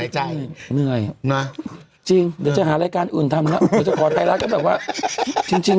ใจน่ะจริงเดี๋ยวจะหารายการอื่นทำแล้วผมจะขอไปแล้วก็แบบว่าจริงจริง